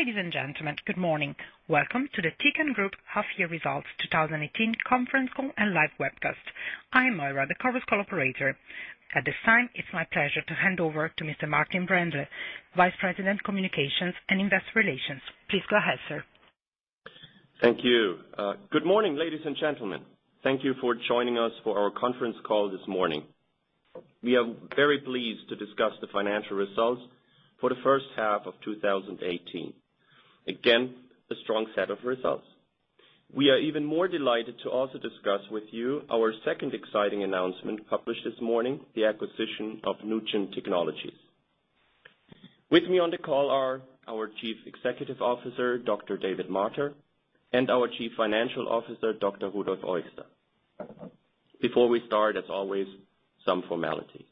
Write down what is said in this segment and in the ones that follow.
Ladies and gentlemen, good morning. Welcome to the Tecan Group Half Year Results 2018 conference call and live webcast. I am Moira, the conference call operator. At this time, it's my pleasure to hand over to Mr. Martin Brändle, Vice President, Communications and Investor Relations. Please go ahead, sir. Thank you. Good morning, ladies and gentlemen. Thank you for joining us for our conference call this morning. We are very pleased to discuss the financial results for the first half of 2018. Again, a strong set of results. We are even more delighted to also discuss with you our second exciting announcement published this morning, the acquisition of NuGEN Technologies. With me on the call are our Chief Executive Officer, Dr. David Martyr, and our Chief Financial Officer, Dr. Rudolf Oechslin. Before we start, as always, some formalities.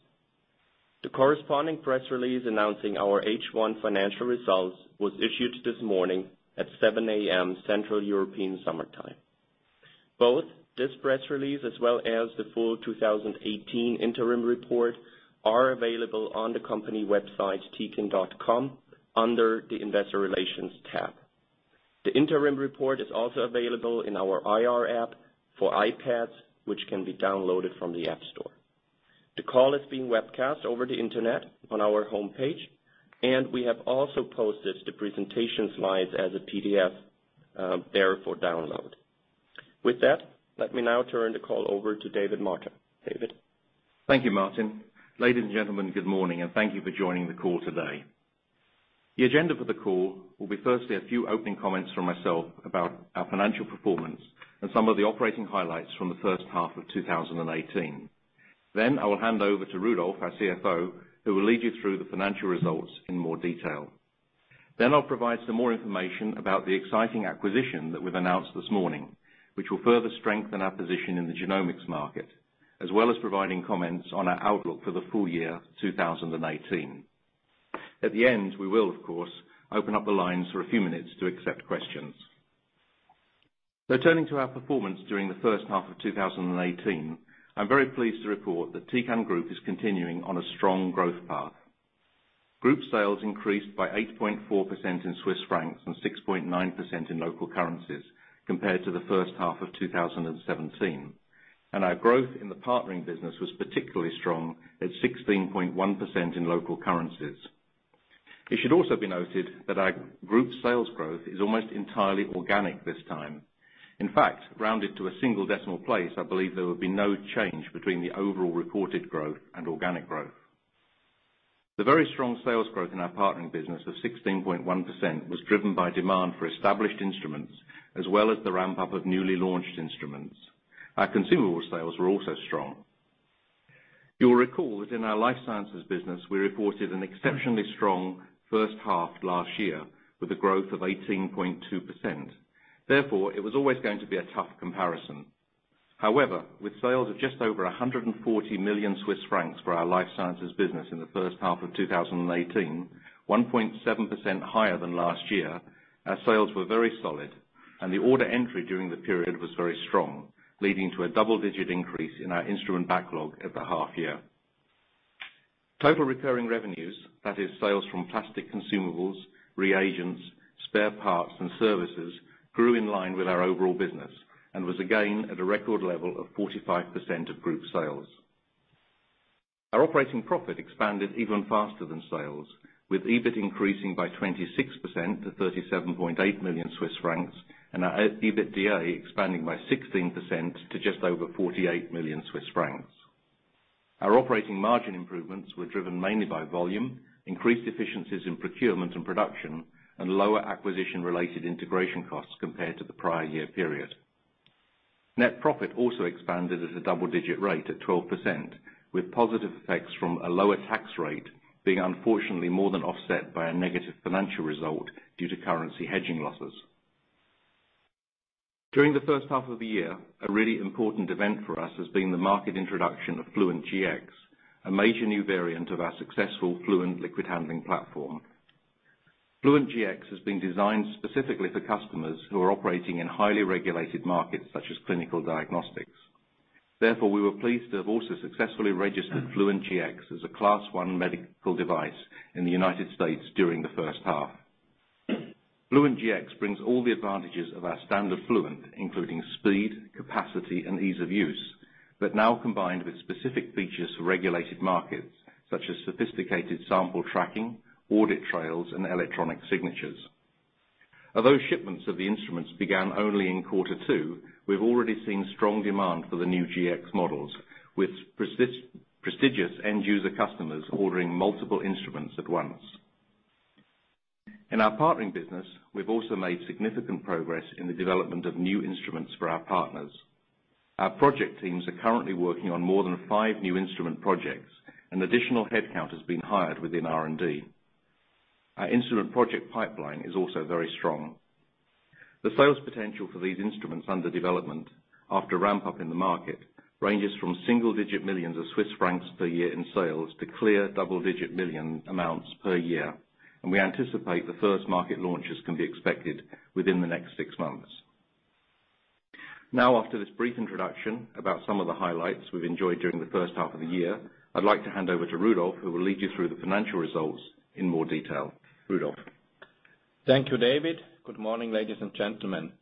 The corresponding press release announcing our H1 financial results was issued this morning at 7:00 A.M., Central European summertime. Both this press release as well as the full 2018 interim report are available on the company website, tecan.com, under the Investor Relations tab. The interim report is also available in our IR app for iPads, which can be downloaded from the App Store. The call is being webcast over the internet on our homepage. We have also posted the presentation slides as a PDF there for download. With that, let me now turn the call over to David Martyr. David? Thank you, Martin. Ladies and gentlemen, good morning. Thank you for joining the call today. The agenda for the call will be firstly a few opening comments from myself about our financial performance and some of the operating highlights from the first half of 2018. I will hand over to Rudolf, our CFO, who will lead you through the financial results in more detail. I'll provide some more information about the exciting acquisition that we've announced this morning, which will further strengthen our position in the genomics market, as well as providing comments on our outlook for the full year 2018. At the end, we will, of course, open up the lines for a few minutes to accept questions. Turning to our performance during the first half of 2018, I'm very pleased to report that Tecan Group is continuing on a strong growth path. Group sales increased by 8.4% in CHF and 6.9% in local currencies compared to the first half of 2017. Our growth in the partnering business was particularly strong at 16.1% in local currencies. It should also be noted that our group sales growth is almost entirely organic this time. In fact, rounded to a single decimal place, I believe there would be no change between the overall reported growth and organic growth. The very strong sales growth in our partnering business of 16.1% was driven by demand for established instruments, as well as the ramp-up of newly launched instruments. Our consumable sales were also strong. You will recall that in our life sciences business, we reported an exceptionally strong first half last year with a growth of 18.2%. It was always going to be a tough comparison. With sales of just over 140 million Swiss francs for our life sciences business in the first half of 2018, 1.7% higher than last year, our sales were very solid, and the order entry during the period was very strong, leading to a double-digit increase in our instrument backlog at the half year. Total recurring revenues, that is sales from plastic consumables, reagents, spare parts, and services, grew in line with our overall business and was again at a record level of 45% of group sales. Our operating profit expanded even faster than sales, with EBIT increasing by 26% to 37.8 million Swiss francs, and our EBITDA expanding by 16% to just over 48 million Swiss francs. Our operating margin improvements were driven mainly by volume, increased efficiencies in procurement and production, and lower acquisition-related integration costs compared to the prior year period. Net profit also expanded at a double-digit rate of 12%, with positive effects from a lower tax rate being unfortunately more than offset by a negative financial result due to currency hedging losses. During the first half of the year, a really important event for us has been the market introduction of Fluent Gx, a major new variant of our successful Fluent liquid handling platform. Fluent Gx has been designed specifically for customers who are operating in highly regulated markets such as clinical diagnostics. We were pleased to have also successfully registered Fluent Gx as a Class 1 medical device in the U.S. during the first half. Fluent Gx brings all the advantages of our standard Fluent, including speed, capacity, and ease of use, but now combined with specific features for regulated markets such as sophisticated sample tracking, audit trails, and electronic signatures. Although shipments of the instruments began only in quarter two, we've already seen strong demand for the new Gx models, with prestigious end-user customers ordering multiple instruments at once. In our partnering business, we've also made significant progress in the development of new instruments for our partners. Our project teams are currently working on more than five new instrument projects, and additional headcount has been hired within R&D. Our instrument project pipeline is also very strong. The sales potential for these instruments under development after ramp-up in the market ranges from single-digit millions of CHF per year in sales to clear double-digit million amounts per year, and we anticipate the first market launches can be expected within the next six months. After this brief introduction about some of the highlights we've enjoyed during the first half of the year, I'd like to hand over to Rudolf, who will lead you through the financial results in more detail. Rudolf. Thank you, David. Good morning, ladies and gentlemen.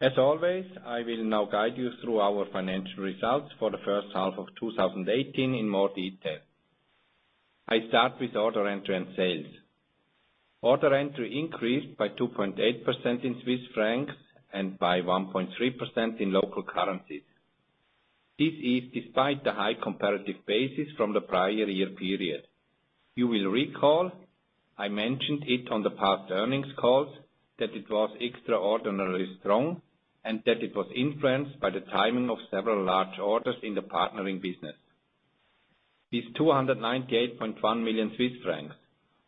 As always, I will now guide you through our financial results for the first half of 2018 in more detail. I start with order entry and sales. Order entry increased by 2.8% in Swiss francs, and by 1.3% in local currencies. This is despite the high comparative basis from the prior year period. You will recall, I mentioned it on the past earnings calls, that it was extraordinarily strong, and that it was influenced by the timing of several large orders in the partnering business. With 298.1 million Swiss francs,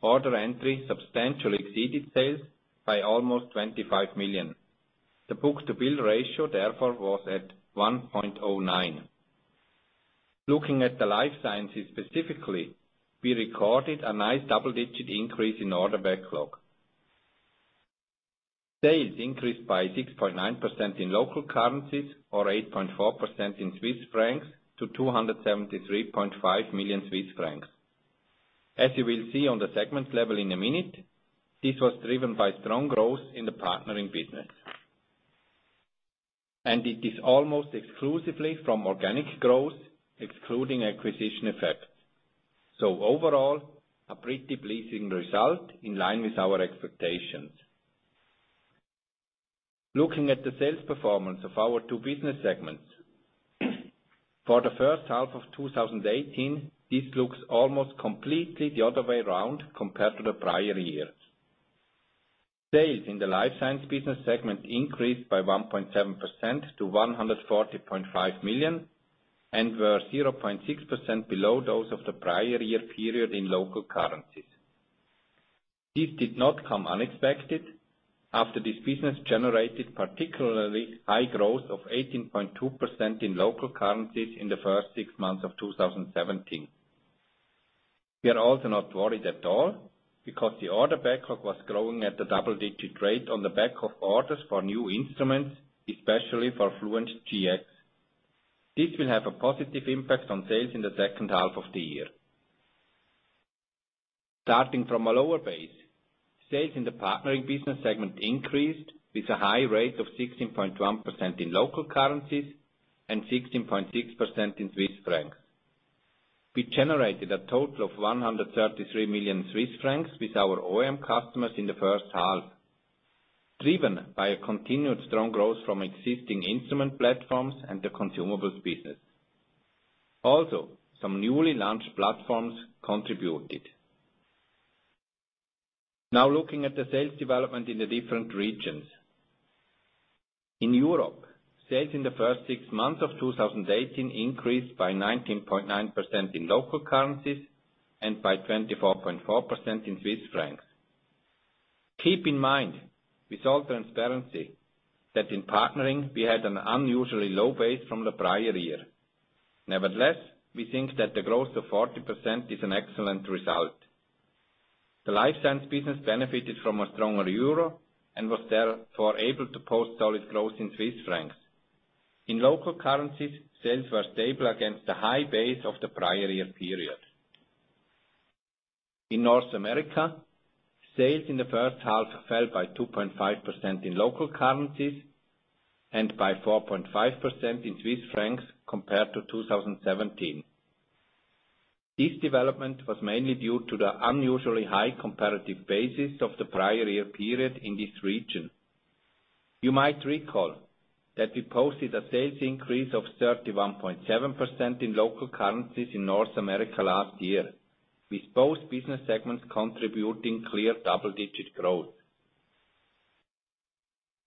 order entry substantially exceeded sales by almost 25 million. The book-to-bill ratio, therefore, was at 1.09. Looking at the life sciences specifically, we recorded a nice double-digit increase in order backlog. Sales increased by 6.9% in local currencies or 8.4% in Swiss francs to 273.5 million Swiss francs. As you will see on the segment level in a minute, this was driven by strong growth in the partnering business. It is almost exclusively from organic growth, excluding acquisition effects. Overall, a pretty pleasing result in line with our expectations. Looking at the sales performance of our two business segments. For the first half of 2018, this looks almost completely the other way around compared to the prior years. Sales in the Life Science business segment increased by 1.7% to 140.5 million, and were 0.6% below those of the prior year period in local currencies. This did not come unexpected after this business generated particularly high growth of 18.2% in local currencies in the first six months of 2017. We are also not worried at all because the order backlog was growing at a double-digit rate on the back of orders for new instruments, especially for Fluent Gx. This will have a positive impact on sales in the second half of the year. Starting from a lower base, sales in the Partnering business segment increased with a high rate of 16.1% in local currencies and 16.6% in Swiss francs. We generated a total of 133 million Swiss francs with our OEM customers in the first half, driven by a continued strong growth from existing instrument platforms and the consumables business. Also, some newly launched platforms contributed. Looking at the sales development in the different regions. In Europe, sales in the first six months of 2018 increased by 19.9% in local currencies and by 24.4% in Swiss francs. Keep in mind, with all transparency, that in partnering, we had an unusually low base from the prior year. Nevertheless, we think that the growth of 40% is an excellent result. The life science business benefited from a stronger euro and was therefore able to post solid growth in CHF. In local currencies, sales were stable against the high base of the prior year period. In North America, sales in the first half fell by 2.5% in local currencies and by 4.5% in CHF compared to 2017. This development was mainly due to the unusually high comparative basis of the prior year period in this region. You might recall that we posted a sales increase of 31.7% in local currencies in North America last year, with both business segments contributing clear double-digit growth.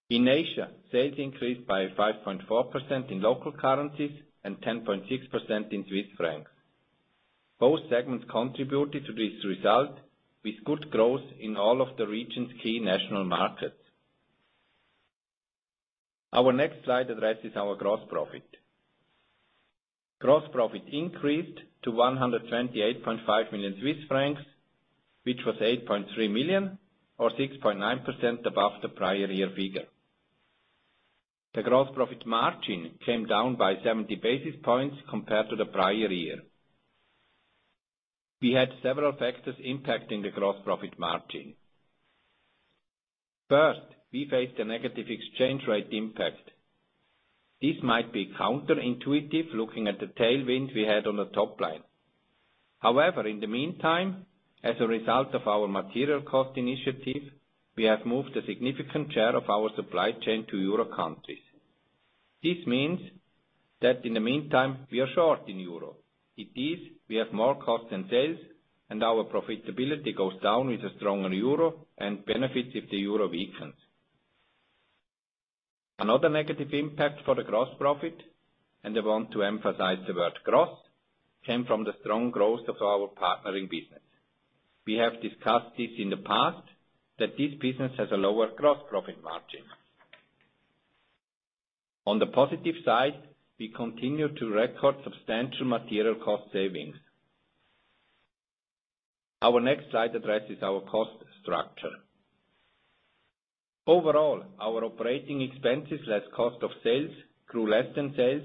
In Asia, sales increased by 5.4% in local currencies and 10.6% in CHF. Both segments contributed to this result with good growth in all of the region's key national markets. Our next slide addresses our gross profit. Gross profit increased to 128.5 million Swiss francs, which was 8.3 million or 6.9% above the prior year figure. The gross profit margin came down by 70 basis points compared to the prior year. We had several factors impacting the gross profit margin. First, we faced a negative exchange rate impact. This might be counterintuitive looking at the tailwind we had on the top line. However, in the meantime, as a result of our material cost initiative, we have moved a significant share of our supply chain to EUR countries. This means that in the meantime, we are short in EUR. We have more costs than sales, and our profitability goes down with a stronger EUR and benefits if the EUR weakens. Another negative impact for the gross profit, and I want to emphasize the word gross, came from the strong growth of our partnering business. We have discussed this in the past, that this business has a lower gross profit margin. On the positive side, we continue to record substantial material cost savings. Our next slide addresses our cost structure. Overall, our operating expenses, less cost of sales, grew less than sales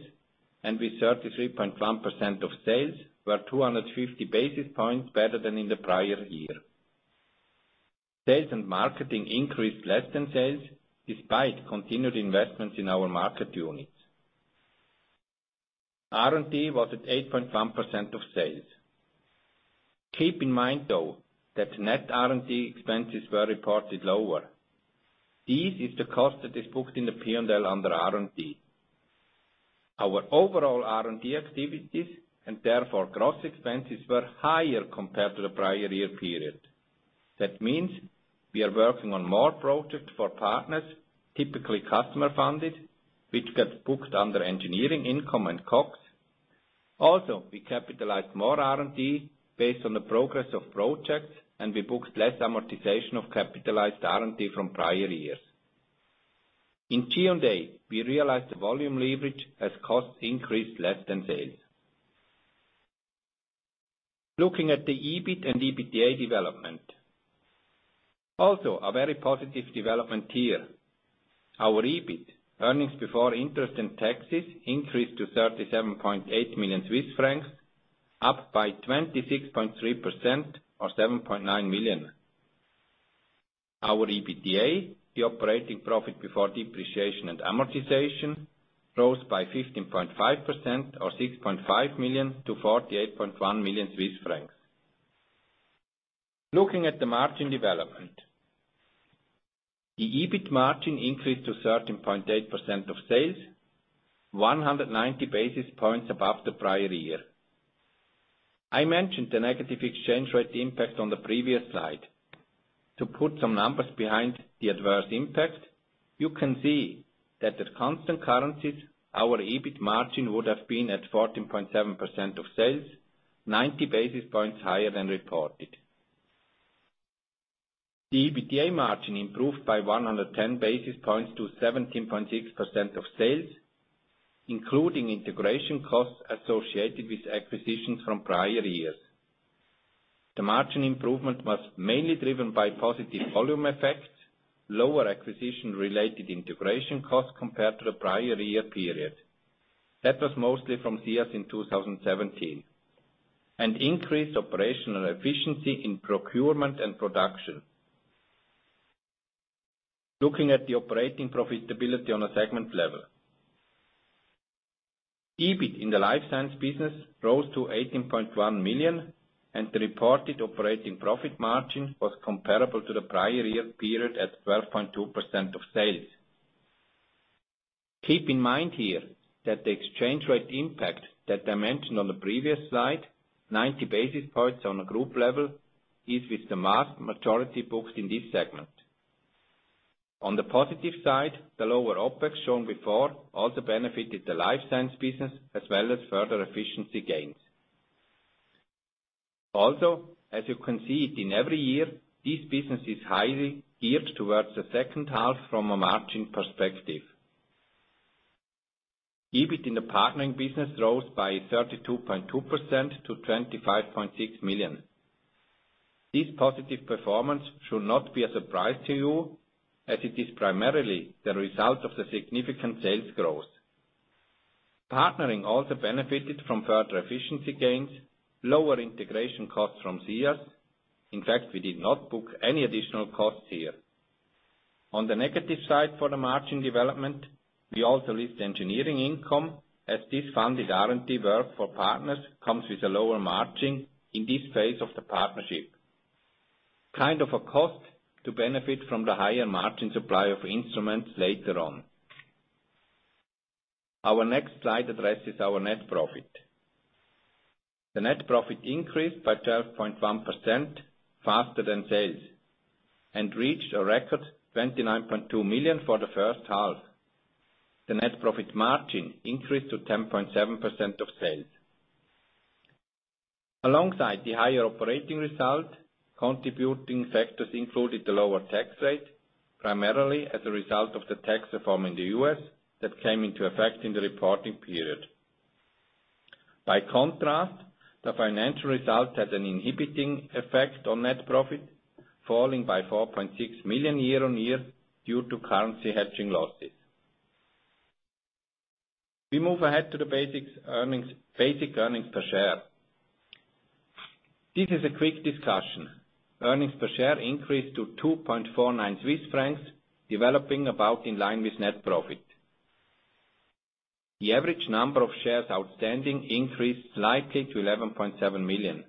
and with 33.1% of sales were 250 basis points better than in the prior year. Sales and marketing increased less than sales, despite continued investments in our market units. R&D was at 8.1% of sales. Keep in mind, though, that net R&D expenses were reported lower. This is the cost that is booked in the P&L under R&D. Our overall R&D activities, and therefore gross expenses, were higher compared to the prior year period. That means we are working on more projects for partners, typically customer-funded, which gets booked under engineering income and COGS. We capitalize more R&D based on the progress of projects, and we booked less amortization of capitalized R&D from prior years. In G&A, we realized the volume leverage as costs increased less than sales. Looking at the EBIT and EBITDA development. Also a very positive development here. Our EBIT, earnings before interest and taxes, increased to 37.8 million Swiss francs, up by 26.3% or 7.9 million. Our EBITDA, the operating profit before depreciation and amortization, rose by 15.5% or 6.5 million to 48.1 million Swiss francs. Looking at the margin development. The EBIT margin increased to 13.8% of sales, 190 basis points above the prior year. I mentioned the negative exchange rate impact on the previous slide. To put some numbers behind the adverse impact, you can see that at constant currencies, our EBIT margin would have been at 14.7% of sales, 90 basis points higher than reported. The EBITDA margin improved by 110 basis points to 17.6% of sales, including integration costs associated with acquisitions from prior years. The margin improvement was mainly driven by positive volume effects, lower acquisition-related integration costs compared to the prior year period. That was mostly from Sias in 2017. Increased operational efficiency in procurement and production. Looking at the operating profitability on a segment level. EBIT in the life science business rose to 18.1 million, and the reported operating profit margin was comparable to the prior year period at 12.2% of sales. Keep in mind here that the exchange rate impact that I mentioned on the previous slide, 90 basis points on a group level, is with the mass majority booked in this segment. On the positive side, the lower OpEx shown before also benefited the life science business, as well as further efficiency gains. As you can see it in every year, this business is highly geared towards the second half from a margin perspective. EBIT in the partnering business rose by 32.2% to 25.6 million. This positive performance should not be a surprise to you as it is primarily the result of the significant sales growth. Partnering also benefited from further efficiency gains, lower integration costs from Sias. In fact, we did not book any additional costs here. On the negative side for the margin development, we also list engineering income as this funded R&D work for partners comes with a lower margin in this phase of the partnership. Kind of a cost to benefit from the higher margin supply of instruments later on. Our next slide addresses our net profit. The net profit increased by 12.1%, faster than sales, and reached a record 29.2 million for the first half. The net profit margin increased to 10.7% of sales. Alongside the higher operating result, contributing factors included the lower tax rate, primarily as a result of the tax reform in the U.S. that came into effect in the reporting period. By contrast, the financial result had an inhibiting effect on net profit, falling by 4.6 million year on year due to currency hedging losses. We move ahead to the basic earnings per share. This is a quick discussion. Earnings per share increased to 2.49 Swiss francs, developing about in line with net profit. The average number of shares outstanding increased slightly to 11.7 million.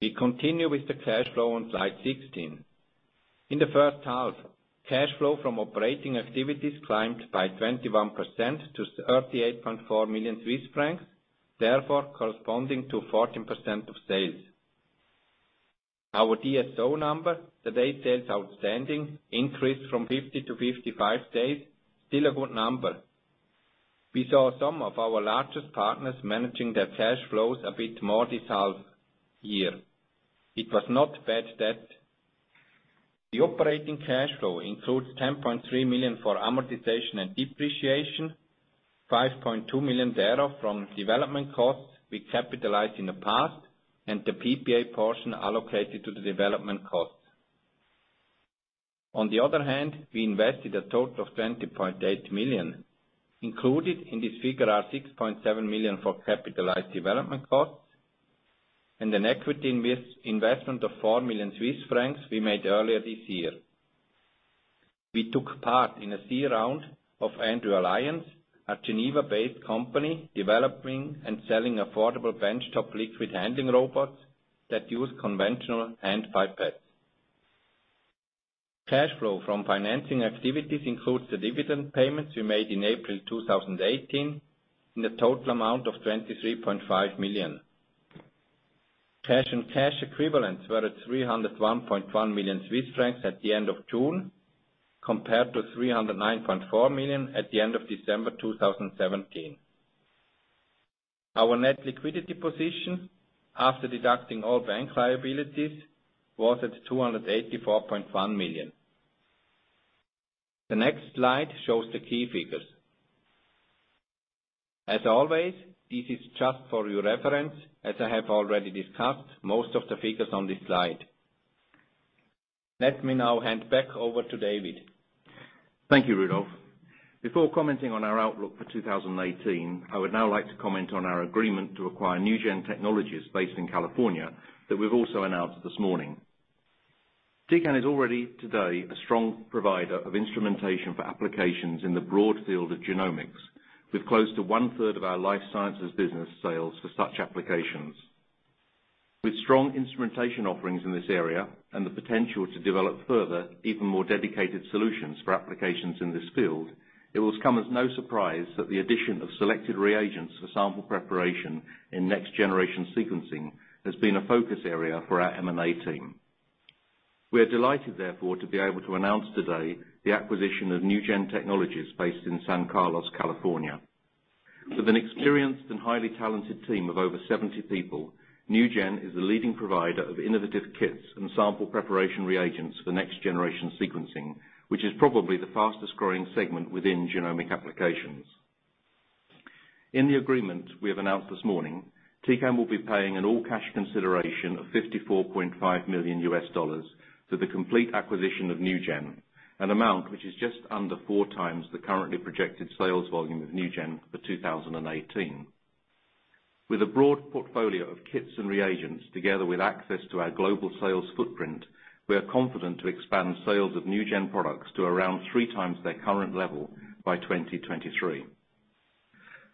We continue with the cash flow on slide 16. In the first half, cash flow from operating activities climbed by 21% to 38.4 million Swiss francs, therefore corresponding to 14% of sales. Our DSO number, the day sales outstanding, increased from 50 to 55 days, still a good number. We saw some of our largest partners managing their cash flows a bit more this half year. It was not bad debt. The operating cash flow includes 10.3 million for amortization and depreciation, 5.2 million thereof from development costs we capitalized in the past, and the PPA portion allocated to the development costs. On the other hand, we invested a total of 20.8 million. Included in this figure are 6.7 million for capitalized development costs and an equity investment of 4 million Swiss francs we made earlier this year. We took part in a C round of Andrew Alliance, a Geneva-based company developing and selling affordable benchtop liquid handling robots that use conventional and pipettes. Cash flow from financing activities includes the dividend payments we made in April 2018 in the total amount of 23.5 million. Cash and cash equivalents were at 301.1 million Swiss francs at the end of June, compared to 309.4 million at the end of December 2017. Our net liquidity position, after deducting all bank liabilities, was at 284.1 million. The next slide shows the key figures. As always, this is just for your reference, as I have already discussed most of the figures on this slide. Let me now hand back over to David. Thank you, Rudolf. Before commenting on our outlook for 2018, I would now like to comment on our agreement to acquire NuGEN Technologies based in California, that we've also announced this morning. Tecan is already today a strong provider of instrumentation for applications in the broad field of genomics, with close to one-third of our life sciences business sales for such applications. With strong instrumentation offerings in this area and the potential to develop further, even more dedicated solutions for applications in this field, it will come as no surprise that the addition of selected reagents for sample preparation in next-generation sequencing has been a focus area for our M&A team. We are delighted, therefore, to be able to announce today the acquisition of NuGEN Technologies based in San Carlos, California. With an experienced and highly talented team of over 70 people, NuGEN is a leading provider of innovative kits and sample preparation reagents for next-generation sequencing, which is probably the fastest-growing segment within genomic applications. In the agreement we have announced this morning, Tecan will be paying an all-cash consideration of $54.5 million for the complete acquisition of NuGEN, an amount which is just under four times the currently projected sales volume of NuGEN for 2018. With a broad portfolio of kits and reagents, together with access to our global sales footprint, we are confident to expand sales of NuGEN products to around three times their current level by 2023.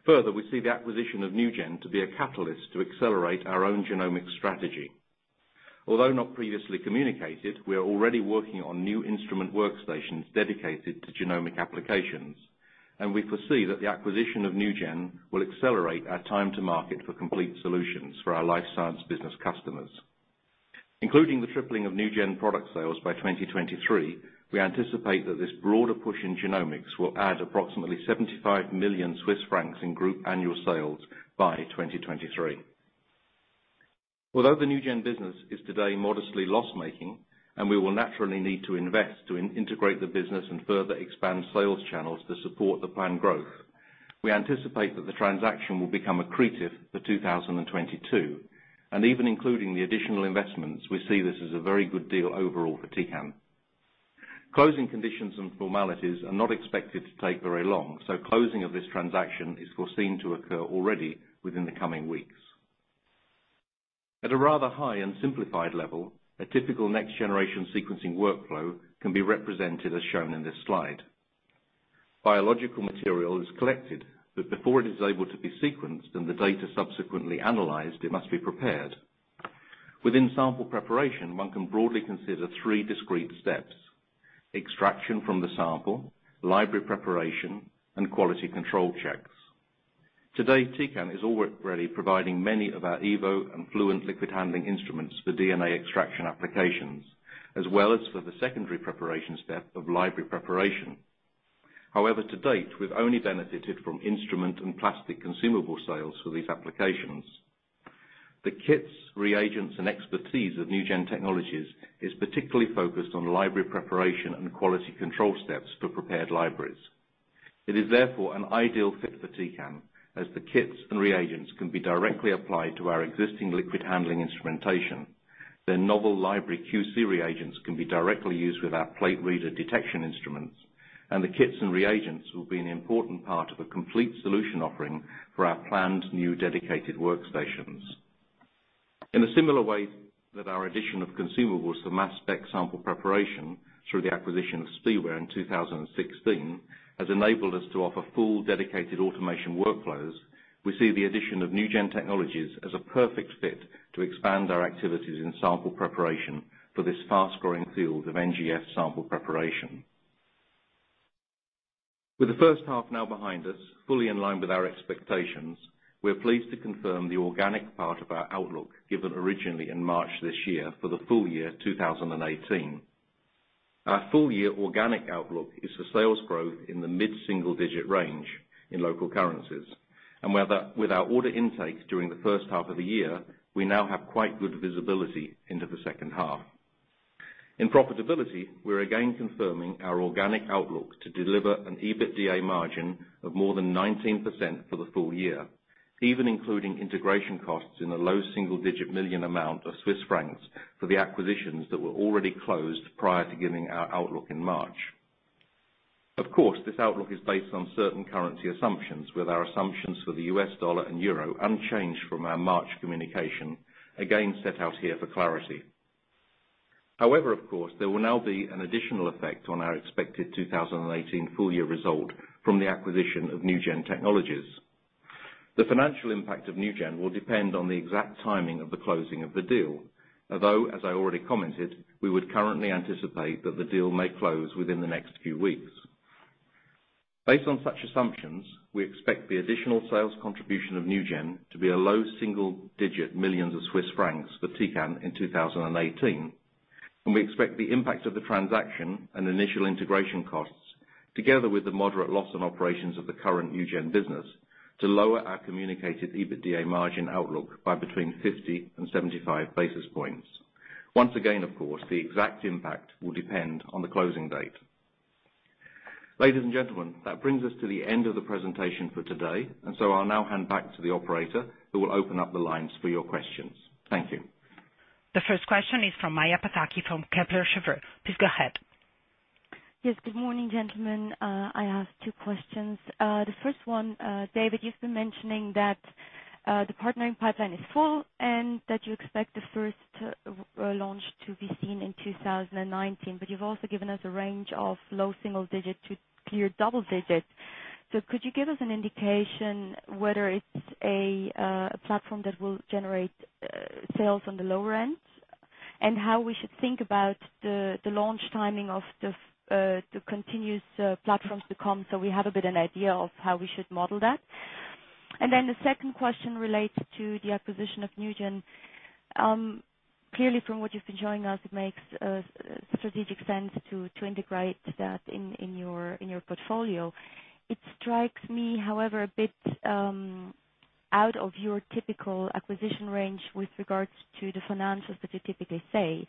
Further, we see the acquisition of NuGEN to be a catalyst to accelerate our own genomic strategy. Although not previously communicated, we are already working on new instrument workstations dedicated to genomic applications, and we foresee that the acquisition of NuGEN will accelerate our time to market for complete solutions for our life science business customers. Including the tripling of NuGEN product sales by 2023, we anticipate that this broader push in genomics will add approximately 75 million Swiss francs in group annual sales by 2023. Although the NuGEN business is today modestly loss-making, we will naturally need to invest to integrate the business and further expand sales channels to support the planned growth, we anticipate that the transaction will become accretive for 2022. Even including the additional investments, we see this as a very good deal overall for Tecan. Closing conditions and formalities are not expected to take very long, closing of this transaction is foreseen to occur already within the coming weeks. At a rather high and simplified level, a typical next-generation sequencing workflow can be represented as shown in this slide. Biological material is collected, but before it is able to be sequenced and the data subsequently analyzed, it must be prepared. Within sample preparation, one can broadly consider three discrete steps. Extraction from the sample, library preparation, and quality control checks. Today, Tecan is already providing many of our EVO and Fluent liquid handling instruments for DNA extraction applications, as well as for the secondary preparation step of library preparation. However, to date, we've only benefited from instrument and plastic consumable sales for these applications. The kits, reagents, and expertise of NuGEN Technologies is particularly focused on library preparation and quality control steps for prepared libraries. It is therefore an ideal fit for Tecan, as the kits and reagents can be directly applied to our existing liquid handling instrumentation. Their novel library QC reagents can be directly used with our plate reader detection instruments. The kits and reagents will be an important part of a complete solution offering for our planned new dedicated workstations. In a similar way that our addition of consumables for mass spec sample preparation through the acquisition of SPEware in 2016 has enabled us to offer full dedicated automation workflows, we see the addition of NuGEN Technologies as a perfect fit to expand our activities in sample preparation for this fast-growing field of NGS sample preparation. With the first half now behind us, fully in line with our expectations, we are pleased to confirm the organic part of our outlook given originally in March this year for the full year 2018. Our full-year organic outlook is for sales growth in the mid-single-digit range in local currencies. With our order intake during the first half of the year, we now have quite good visibility into the second half. In profitability, we're again confirming our organic outlook to deliver an EBITDA margin of more than 19% for the full year, even including integration costs in a low single-digit million CHF amount for the acquisitions that were already closed prior to giving our outlook in March. Of course, this outlook is based on certain currency assumptions, with our assumptions for the US dollar and euro unchanged from our March communication, again set out here for clarity. Of course, there will now be an additional effect on our expected 2018 full-year result from the acquisition of NuGEN Technologies. The financial impact of NuGEN will depend on the exact timing of the closing of the deal, although, as I already commented, we would currently anticipate that the deal may close within the next few weeks. Based on such assumptions, we expect the additional sales contribution of NuGEN to be a low single-digit million CHF for Tecan in 2018, and we expect the impact of the transaction and initial integration costs, together with the moderate loss on operations of the current NuGEN business, to lower our communicated EBITDA margin outlook by between 50 and 75 basis points. Once again, of course, the exact impact will depend on the closing date. Ladies and gentlemen, that brings us to the end of the presentation for today. I'll now hand back to the operator who will open up the lines for your questions. Thank you. The first question is from Maja Pataki from Kepler Cheuvreux. Please go ahead. Yes. Good morning, gentlemen. I have two questions. The first one, David, you've been mentioning that the partnering pipeline is full and that you expect the first launch to be seen in 2019, but you've also given us a range of low single digit to clear double digit. Could you give us an indication whether it's a platform that will generate sales on the lower end? How we should think about the launch timing of the continuous platforms to come so we have a bit of an idea of how we should model that. The second question relates to the acquisition of NuGEN. Clearly, from what you've been showing us, it makes strategic sense to integrate that in your portfolio. It strikes me, however, a bit out of your typical acquisition range with regards to the financials that you typically say.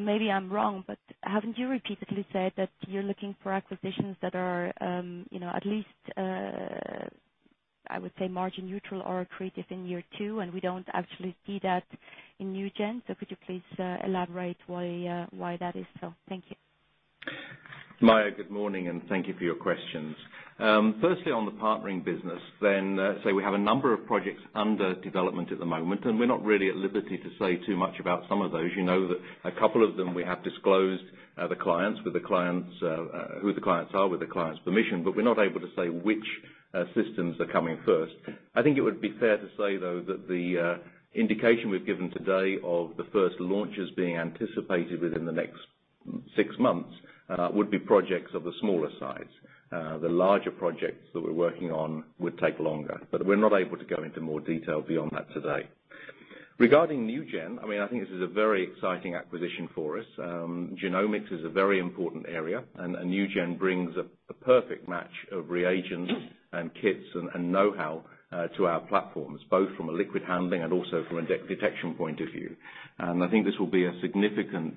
Maybe I'm wrong, haven't you repeatedly said that you're looking for acquisitions that are at least, I would say margin neutral or accretive in year two, and we don't actually see that in NuGEN. Could you please elaborate why that is so? Thank you. Maja, good morning, thank you for your questions. Firstly, on the partnering business, we have a number of projects under development at the moment, and we're not really at liberty to say too much about some of those. You know that a couple of them we have disclosed who the clients are with the clients' permission, we're not able to say which systems are coming first. I think it would be fair to say, though, that the indication we've given today of the first launches being anticipated within the next six months would be projects of a smaller size. The larger projects that we're working on would take longer, we're not able to go into more detail beyond that today. Regarding NuGEN, I think this is a very exciting acquisition for us. Genomics is a very important area. NuGEN brings a perfect match of reagents and kits and know-how to our platforms, both from a liquid handling and also from a detection point of view. I think this will be a significant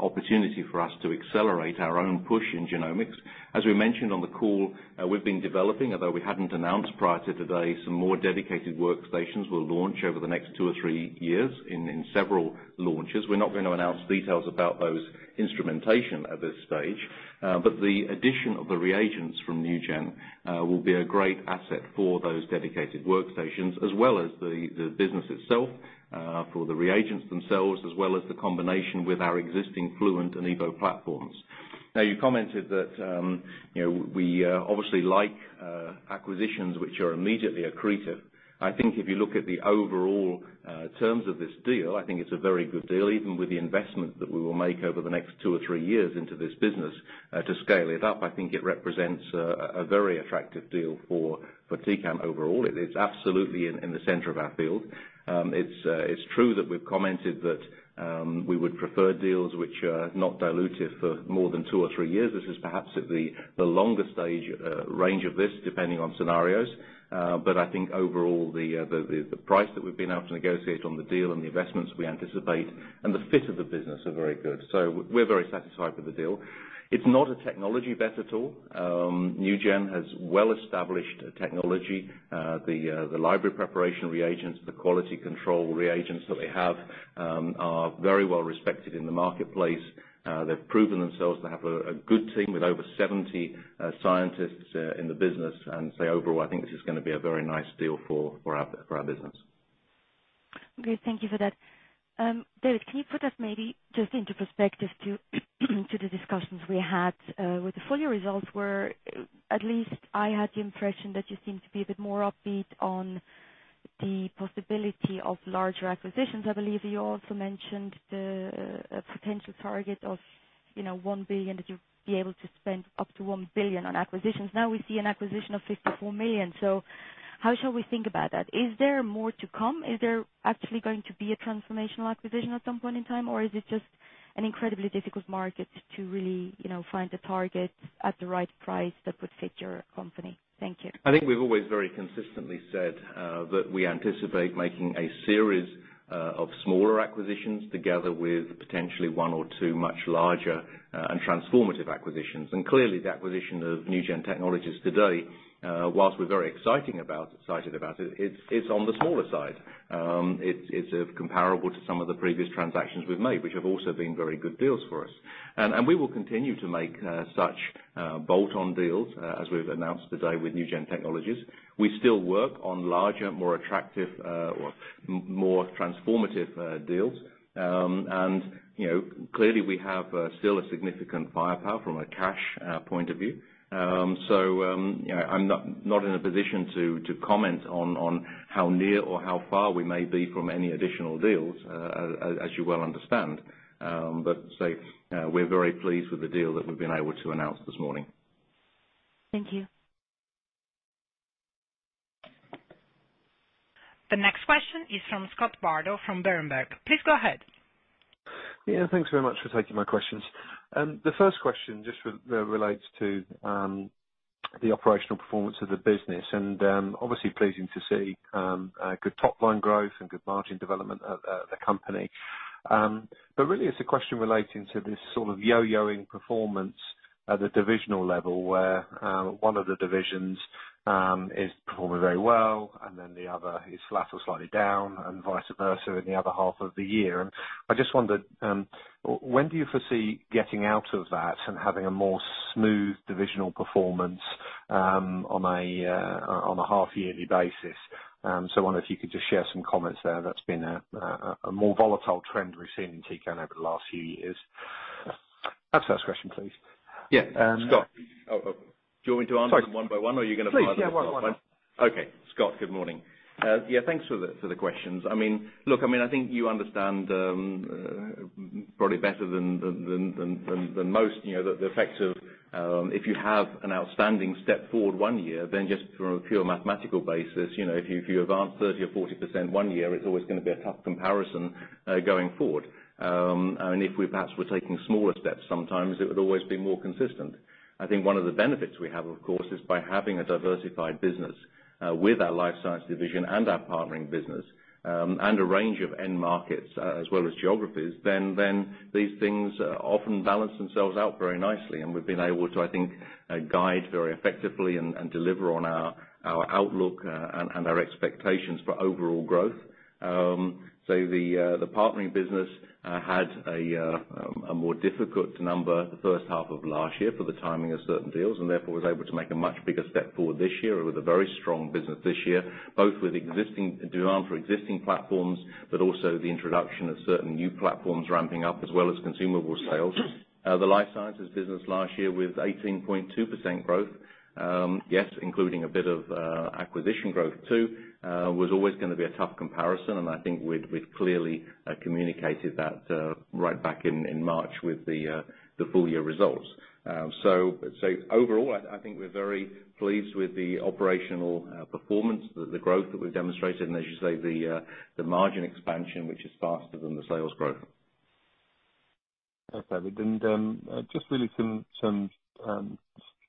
opportunity for us to accelerate our own push in genomics. As we mentioned on the call, we've been developing, although we hadn't announced prior to today, some more dedicated workstations will launch over the next two or three years in several launches. We're not going to announce details about those instrumentation at this stage. The addition of the reagents from NuGEN will be a great asset for those dedicated workstations as well as the business itself, for the reagents themselves, as well as the combination with our existing Fluent and Evo platforms. Now, you commented that we obviously like acquisitions which are immediately accretive. I think if you look at the overall terms of this deal, I think it's a very good deal, even with the investment that we will make over the next two or three years into this business to scale it up. I think it represents a very attractive deal for Tecan overall. It's absolutely in the center of our field. It's true that we've commented that we would prefer deals which are not dilutive for more than two or three years. This is perhaps at the longer range of this, depending on scenarios. I think overall, the price that we've been able to negotiate on the deal and the investments we anticipate and the fit of the business are very good. We're very satisfied with the deal. It's not a technology bet at all. NuGEN has well established technology. The library preparation reagents, the quality control reagents that they have are very well respected in the marketplace. They've proven themselves. They have a good team with over 70 scientists in the business, and say overall, I think this is going to be a very nice deal for our business. Great. Thank you for that. David, can you put us maybe just into perspective to the discussions we had with the full year results, where at least I had the impression that you seem to be a bit more upbeat on the possibility of larger acquisitions. I believe you also mentioned the potential target of 1 billion, that you'd be able to spend up to 1 billion on acquisitions. Now we see an acquisition of $54 million. How shall we think about that? Is there more to come? Is there actually going to be a transformational acquisition at some point in time, or is it just an incredibly difficult market to really find the targets at the right price that would fit your company. Thank you. I think we've always very consistently said that we anticipate making a series of smaller acquisitions together with potentially one or two much larger and transformative acquisitions. Clearly, the acquisition of NuGEN Technologies today, whilst we're very excited about it, is on the smaller side. It's comparable to some of the previous transactions we've made, which have also been very good deals for us. We will continue to make such bolt-on deals as we've announced today with NuGEN Technologies. We still work on larger, more attractive or more transformative deals. Clearly, we have still a significant firepower from a cash point of view. I'm not in a position to comment on how near or how far we may be from any additional deals, as you well understand. Say, we're very pleased with the deal that we've been able to announce this morning. Thank you. The next question is from Scott Bardo from Berenberg. Please go ahead. Thanks very much for taking my questions. The first question just relates to the operational performance of the business, obviously pleasing to see good top-line growth and good margin development of the company. Really, it's a question relating to this sort of yo-yoing performance at the divisional level, where one of the divisions is performing very well, and then the other is flat or slightly down, and vice versa in the other half of the year. I just wondered, when do you foresee getting out of that and having a more smooth divisional performance on a half yearly basis? I wonder if you could just share some comments there. That's been a more volatile trend we've seen in Tecan over the last few years. That's the first question, please. Yeah. Scott, do you want me to answer them one by one? Or are you going to- Please, yeah. One by one. Okay. Scott, good morning. Yeah, thanks for the questions. Look, I think you understand probably better than most the effect of, if you have an outstanding step forward one year, then just from a pure mathematical basis, if you advanced 30% or 40% one year, it's always going to be a tough comparison going forward. If perhaps we're taking smaller steps, sometimes it would always be more consistent. I think one of the benefits we have, of course, is by having a diversified business with our life science division and our partnering business, and a range of end markets as well as geographies, then these things often balance themselves out very nicely. We've been able to, I think, guide very effectively and deliver on our outlook and our expectations for overall growth. The partnering business had a more difficult number the first half of last year for the timing of certain deals, and therefore was able to make a much bigger step forward this year. It was a very strong business this year, both with demand for existing platforms, but also the introduction of certain new platforms ramping up, as well as consumable sales. The life sciences business last year with 18.2% growth. Yes, including a bit of acquisition growth too, was always going to be a tough comparison, and I think we've clearly communicated that right back in March with the full year results. Overall, I think we're very pleased with the operational performance, the growth that we've demonstrated, and as you say, the margin expansion, which is faster than the sales growth. Okay. Just really some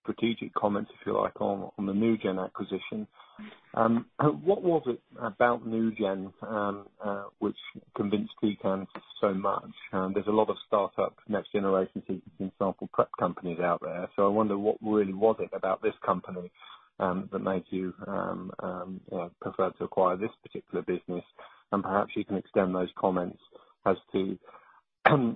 strategic comments, if you like, on the NuGEN acquisition. What was it about NuGEN which convinced Tecan so much? There is a lot of startup next-generation sequencing sample prep companies out there. I wonder what really was it about this company that made you prefer to acquire this particular business? Perhaps you can extend those comments as to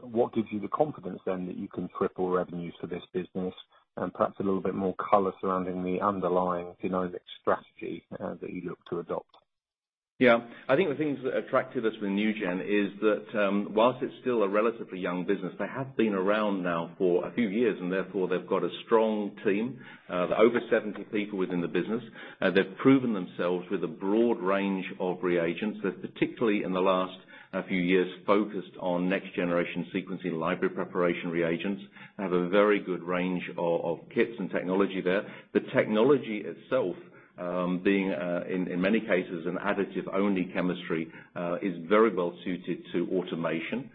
what gives you the confidence then that you can triple revenues for this business, and perhaps a little bit more color surrounding the underlying inorganic strategy that you look to adopt. I think the things that attracted us with NuGEN is that, whilst it's still a relatively young business, they have been around now for a few years, therefore they've got a strong team. They're over 70 people within the business. They've proven themselves with a broad range of reagents. They've particularly, in the last few years, focused on next-generation sequencing library preparation reagents, have a very good range of kits and technology there. The technology itself, being in many cases an additive-only chemistry, is very well suited to automation,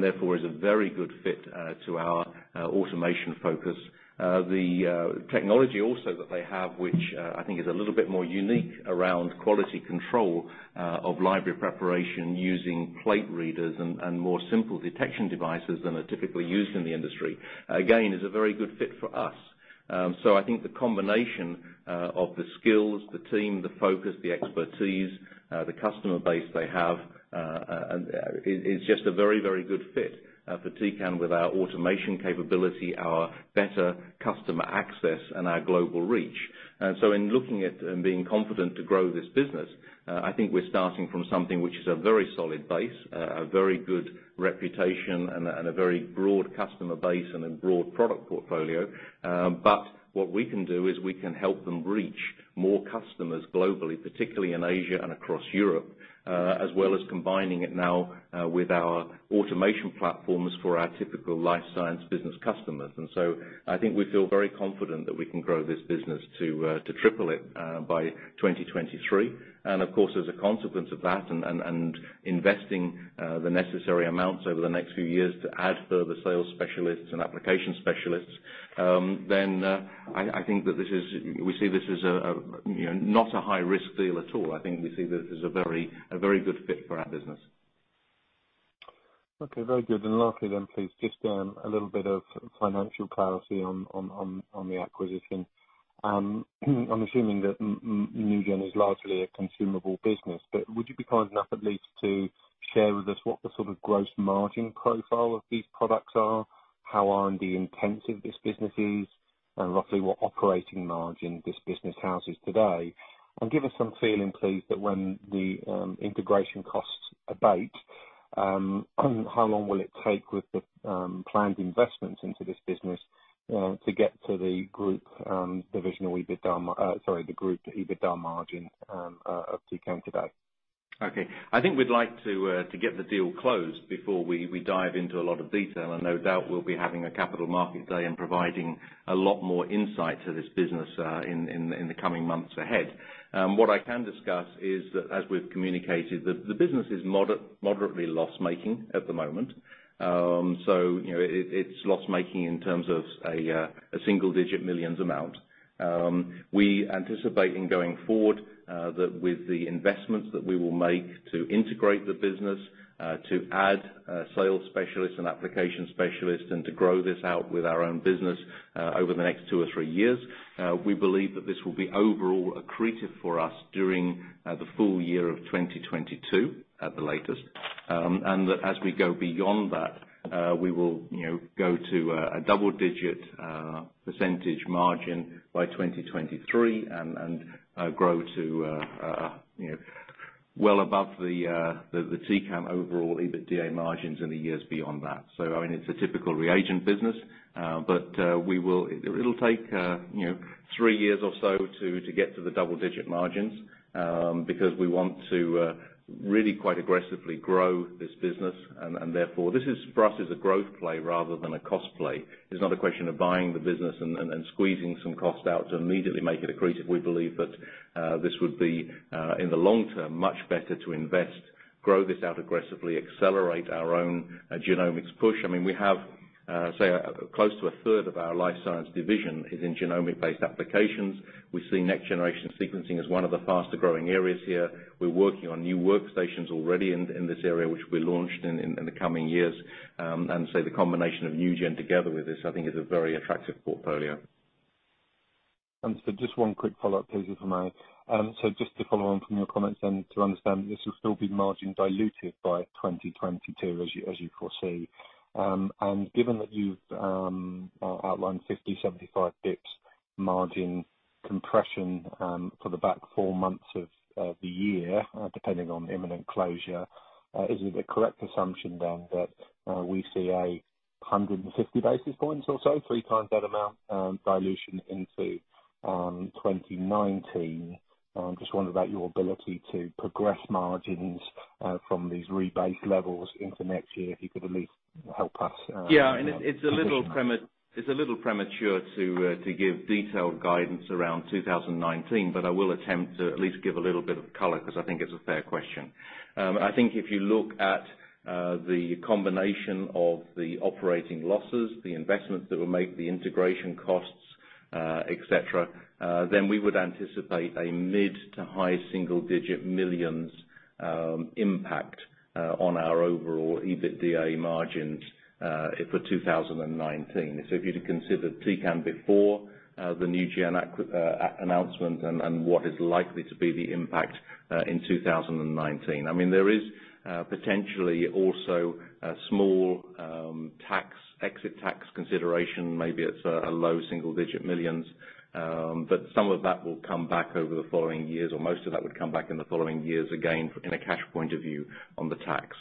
therefore is a very good fit to our automation focus. The technology also that they have, which I think is a little bit more unique around quality control of library preparation using plate readers and more simple detection devices than are typically used in the industry, again, is a very good fit for us. I think the combination of the skills, the team, the focus, the expertise, the customer base they have, is just a very good fit for Tecan with our automation capability, our better customer access, and our global reach. In looking at and being confident to grow this business, I think we're starting from something which is a very solid base, a very good reputation, and a very broad customer base and a broad product portfolio. What we can do is we can help them reach more customers globally, particularly in Asia and across Europe, as well as combining it now with our automation platforms for our typical life science business customers. I think we feel very confident that we can grow this business to triple it by 2023. Of course, as a consequence of that and investing the necessary amounts over the next few years to add further sales specialists and application specialists, I think that we see this as not a high-risk deal at all. I think we see that this is a very good fit for our business. Okay, very good. Lastly, please, just a little bit of financial clarity on the acquisition. I'm assuming that NuGEN is largely a consumable business, but would you be kind enough at least to share with us what the sort of gross margin profile of these products are? How is the intensity of this business? Roughly what operating margin this business houses today? Give us some feeling, please, that when the integration costs abate, how long will it take with the planned investments into this business to get to the group EBITDA margin of Tecan today? Okay. I think we'd like to get the deal closed before we dive into a lot of detail, and no doubt we'll be having a capital market day and providing a lot more insight to this business in the coming months ahead. What I can discuss is that, as we've communicated, the business is moderately loss-making at the moment. It's loss-making in terms of a single-digit millions amount. We anticipate in going forward, that with the investments that we will make to integrate the business, to add sales specialists and application specialists, and to grow this out with our own business over the next two or three years. We believe that this will be overall accretive for us during the full year of 2022 at the latest. That as we go beyond that, we will go to a double-digit % margin by 2023 and grow to well above the Tecan overall EBITDA margins in the years beyond that. It's a typical reagent business, but it'll take three years or so to get to the double-digit margins, because we want to really quite aggressively grow this business and therefore this is for us, is a growth play rather than a cost play. It's not a question of buying the business and squeezing some cost out to immediately make it accretive. We believe that this would be, in the long term, much better to invest, grow this out aggressively, accelerate our own genomics push. We have, say close to a third of our life science division is in genomic-based applications. We see next generation sequencing as one of the faster-growing areas here. We're working on new workstations already in this area, which we launched in the coming years. The combination of NuGEN together with this, I think, is a very attractive portfolio. Just one quick follow-up, please, if I may. Just to follow on from your comments to understand, this will still be margin dilutive by 2022 as you foresee. Given that you've outlined 50, 75 basis points margin compression for the back four months of the year, depending on imminent closure. Is it a correct assumption that we see 150 basis points or so, three times that amount dilution into 2019? Just wondering about your ability to progress margins from these rebased levels into next year, if you could at least help us. Yeah. It's a little premature to give detailed guidance around 2019, but I will attempt to at least give a little bit of color because I think it's a fair question. If you look at the combination of the operating losses, the investments that we'll make, the integration costs, et cetera, we would anticipate a mid to high single-digit millions impact on our overall EBITDA margins for 2019. If you were to consider Tecan before the NuGEN announcement and what is likely to be the impact in 2019. I mean, there is potentially also a small exit tax consideration, maybe it's a low single-digit millions. Some of that will come back over the following years, or most of that would come back in the following years, again, in a cash point of view on the tax.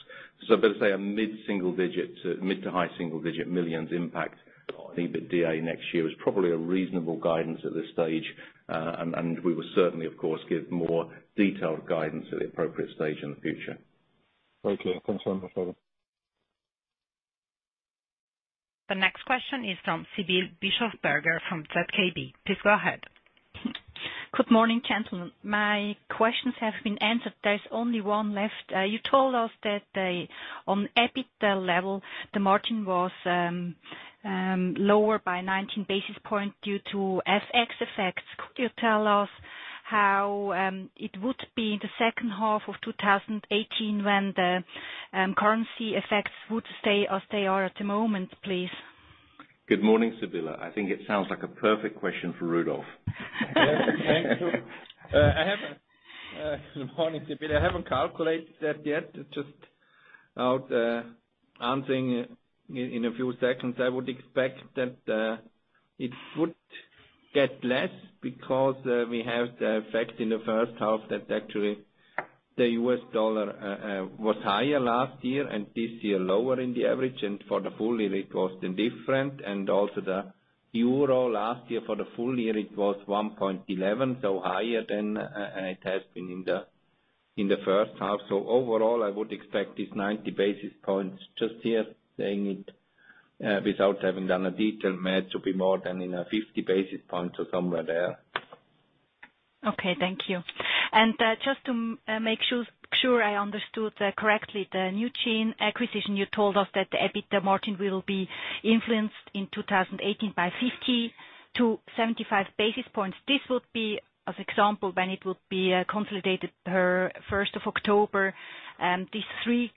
Let's say a mid-single digit to mid to high single-digit millions impact on EBITDA next year is probably a reasonable guidance at this stage. We will certainly, of course, give more detailed guidance at the appropriate stage in the future. Okay. Thanks very much, David The next question is from Sibylle Bischofberger from ZKB. Please go ahead. Good morning, gentlemen. My questions have been answered. There's only one left. You told us that on EBITDA level, the margin was lower by 19 basis points due to FX effects. Could you tell us how it would be in the second half of 2018 when the currency effects would stay as they are at the moment, please? Good morning, Sibylle. I think it sounds like a perfect question for Rudolf. Yes. Thank you. Good morning, Sibylle. I haven't calculated that yet. Just out answering in a few seconds. I would expect that it would get less because we have the effect in the first half that actually the US dollar was higher last year and this year lower in the average, and for the full year it was indifferent. Also the euro last year for the full year, it was 1.11, so higher than it has been in the first half. Overall, I would expect this 90 basis points just here, saying it without having done a detailed math to be more than in a 50 basis point or somewhere there. Okay, thank you. Just to make sure I understood correctly, the NuGEN acquisition you told us that the EBITDA margin will be influenced in 2018 by 50 to 75 basis points. This would be as example when it would be consolidated per 1st of October. These three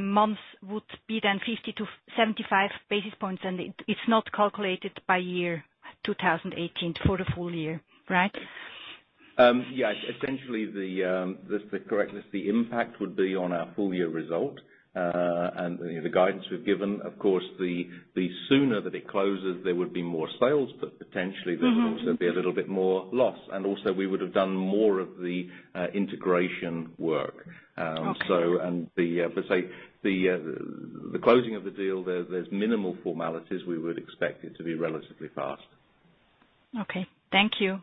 months would be then 50 to 75 basis points, it's not calculated by year? 2018 for the full year, right? Yes. Essentially, that's correct. The impact would be on our full year result. The guidance we've given, of course, the sooner that it closes, there would be more sales, potentially there would also be a little bit more loss. Also we would have done more of the integration work. Okay. Say, the closing of the deal, there's minimal formalities. We would expect it to be relatively fast. Okay. Thank you.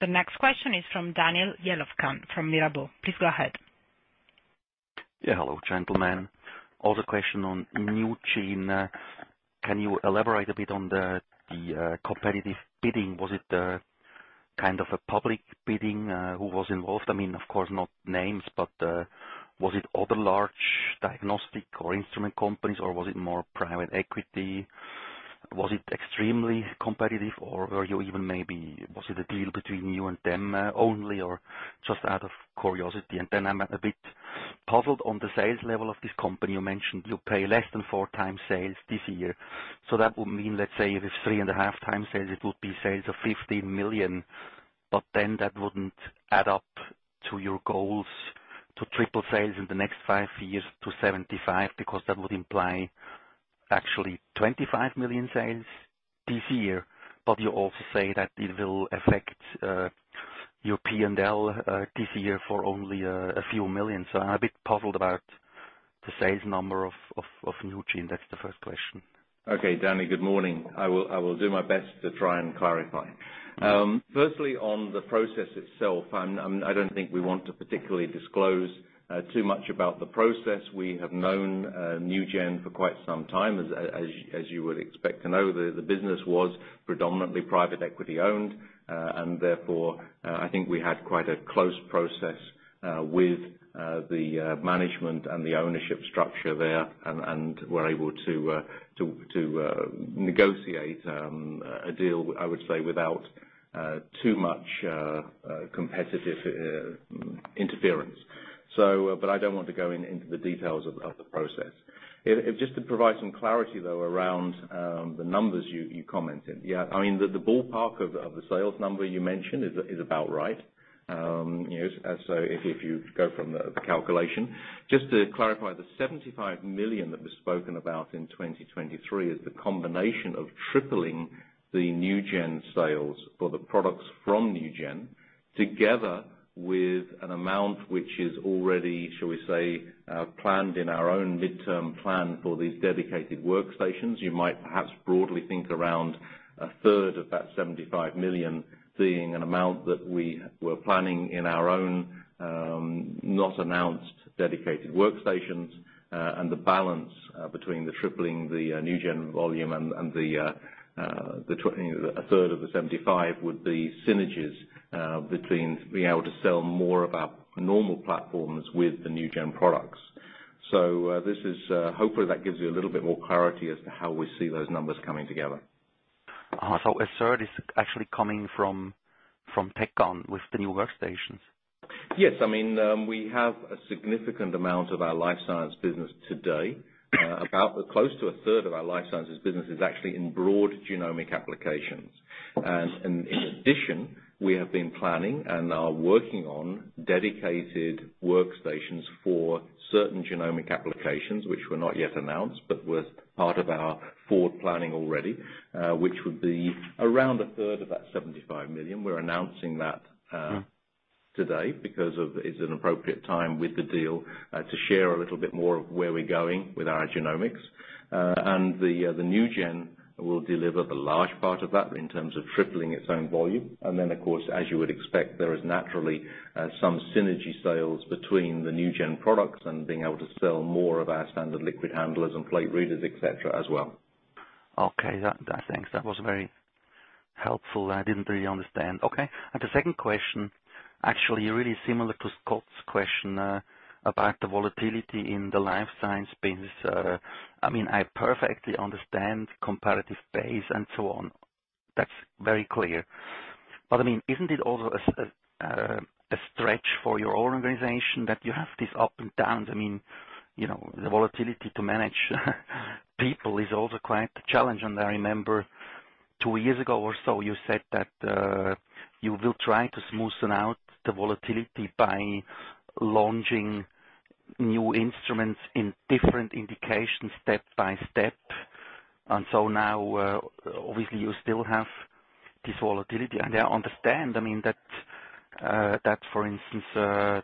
The next question is from Daniel Jelovcan from Mirabaud. Please go ahead. Yeah. Hello, gentlemen. Also question on NuGEN. Can you elaborate a bit on the competitive bidding? Was it kind of a public bidding? Who was involved? Of course, not names, but was it other large diagnostic or instrument companies, or was it more private equity? Was it extremely competitive or were you even maybe, was it a deal between you and them, only or just out of curiosity? Then I'm a bit puzzled on the sales level of this company. You mentioned you pay less than 4 times sales this year. So that would mean, let's say, if it's three and a half times sales, it would be sales of 15 million. That wouldn't add up to your goals to triple sales in the next 5 years to 75 million, because that would imply actually 25 million sales this year. You also say that it will affect your P&L this year for only a few million. I'm a bit puzzled about the sales number of NuGEN. That's the first question. Okay. Danny, good morning. I will do my best to try and clarify. Firstly, on the process itself, I don't think we want to particularly disclose too much about the process. We have known NuGEN for quite some time, as you would expect to know. The business was predominantly private equity owned. Therefore, I think we had quite a close process with the management and the ownership structure there and were able to negotiate a deal, I would say, without too much competitive interference. I don't want to go into the details of the process. Just to provide some clarity, though, around the numbers you commented. The ballpark of the sales number you mentioned is about right. If you go from the calculation. Just to clarify, the 75 million that was spoken about in 2023 is the combination of tripling the NuGEN sales for the products from NuGEN, together with an amount which is already, shall we say, planned in our own midterm plan for these dedicated workstations. You might perhaps broadly think around a third of that 75 million being an amount that we were planning in our own, not announced, dedicated workstations. The balance between the tripling the NuGEN volume and a third of the 75 million would be synergies between being able to sell more of our normal platforms with the NuGEN products. Hopefully, that gives you a little bit more clarity as to how we see those numbers coming together. A third is actually coming from Tecan with the new workstations? Yes. We have a significant amount of our life science business today. About close to a third of our life sciences business is actually in broad genomic applications. In addition, we have been planning and are working on dedicated workstations for certain genomic applications which were not yet announced but were part of our forward planning already, which would be around a third of that 75 million. We're announcing that today because it's an appropriate time with the deal to share a little bit more of where we're going with our genomics. The NuGEN will deliver the large part of that in terms of tripling its own volume. Then, of course, as you would expect, there is naturally some synergy sales between the NuGEN products and being able to sell more of our standard liquid handlers and plate readers, et cetera, as well. Okay. Thanks. That was very helpful. I didn't really understand. Okay. The second question, actually really similar to Scott's question about the volatility in the life science business. I perfectly understand comparative base and so on. That's very clear. Isn't it also a stretch for your own organization that you have this up and down? The volatility to manage people is also quite a challenge. I remember two years ago or so, you said that you will try to smoothen out the volatility by launching new instruments in different indications step by step. Now, obviously, you still have this volatility. I understand, that for instance, the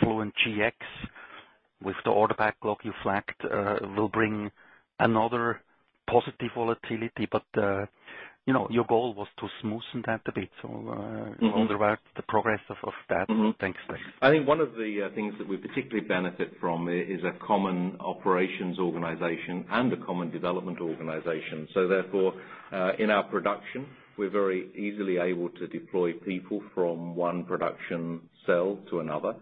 Fluent Gx with the order backlog you flagged will bring another positive volatility. Your goal was to smoothen that a bit. I wonder about the progress of that. Thanks. I think one of the things that we particularly benefit from is a common operations organization and a common development organization. In our production, we're very easily able to deploy people from one production cell to another.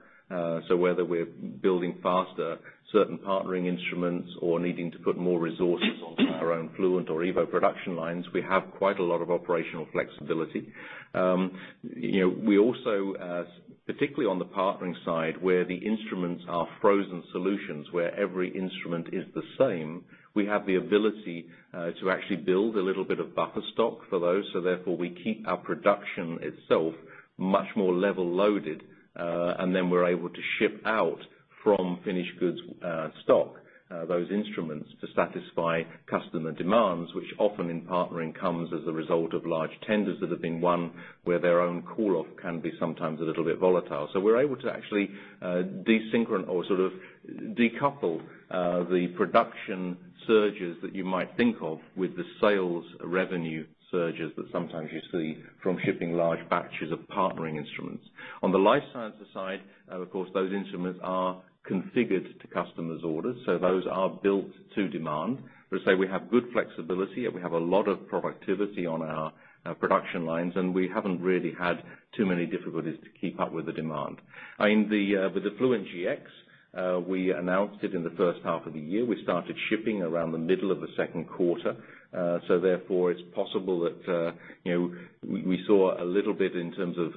Whether we're building faster certain partnering instruments or needing to put more resources on our own Fluent or EVO production lines, we have quite a lot of operational flexibility. We also, particularly on the partnering side, where the instruments are frozen solutions, where every instrument is the same, we have the ability to actually build a little bit of buffer stock for those. We keep our production itself much more level loaded, and then we're able to ship out from finished goods stock those instruments to satisfy customer demands, which often in partnering comes as a result of large tenders that have been won, where their own call-off can be sometimes a little bit volatile. We're able to actually de-synchronize or decouple the production surges that you might think of with the sales revenue surges that sometimes you see from shipping large batches of partnering instruments. On the life sciences side, of course, those instruments are configured to customers' orders, so those are built to demand. As I say, we have good flexibility, and we have a lot of productivity on our production lines, and we haven't really had too many difficulties to keep up with the demand. With the Fluent Gx, we announced it in the first half of the year. We started shipping around the middle of the second quarter. It's possible that we saw a little bit in terms of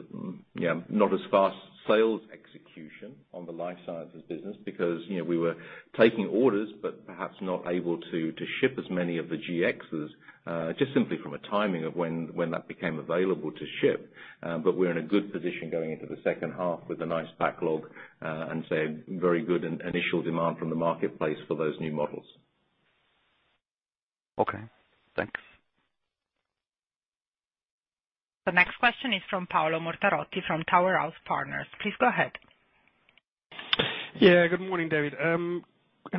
not as fast sales execution on the life sciences business because we were taking orders, but perhaps not able to ship as many of the Gxes, just simply from a timing of when that became available to ship. We're in a good position going into the second half with a nice backlog, and very good initial demand from the marketplace for those new models. Okay, thanks. The next question is from Paolo Mortarotti of Tower House Partners. Please go ahead. Good morning, David.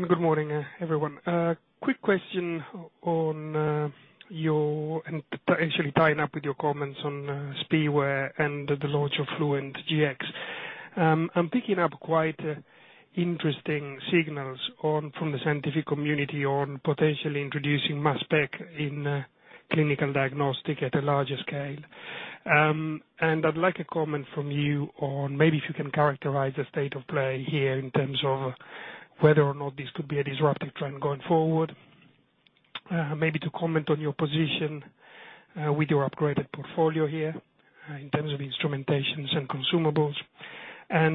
Good morning, everyone. A quick question on your, actually tying up with your comments on SPEware and the launch of Fluent Gx. I'm picking up quite interesting signals from the scientific community on potentially introducing mass spec in clinical diagnostic at a larger scale. I'd like a comment from you on maybe if you can characterize the state of play here in terms of whether or not this could be a disruptive trend going forward. Maybe to comment on your position with your upgraded portfolio here in terms of instrumentations and consumables.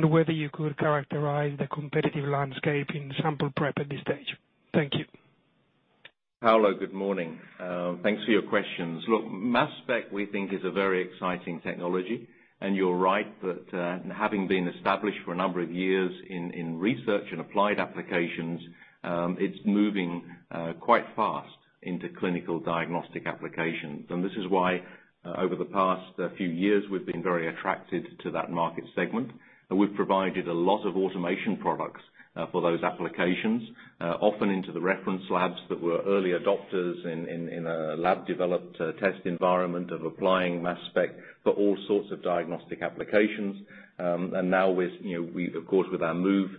Whether you could characterize the competitive landscape in sample prep at this stage. Thank you. Paolo, good morning. Thanks for your questions. Look, mass spec, we think, is a very exciting technology. You're right, that having been established for a number of years in research and applied applications, it's moving quite fast into clinical diagnostic applications. This is why, over the past few years, we've been very attracted to that market segment. We've provided a lot of automation products for those applications, often into the reference labs that were early adopters in a lab-developed test environment of applying mass spec for all sorts of diagnostic applications. Now of course, with our move